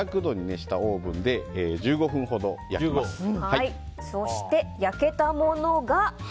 こちらを２００度に熱したオーブンで１５分ほど焼きます。